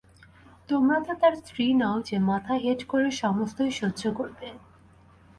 তোমরা তো তাঁর স্ত্রী নও যে মাথা হেঁট করে সমস্তই সহ্য করবে।